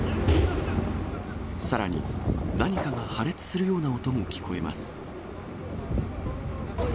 さらに、何かが破裂するような音も聞こえます。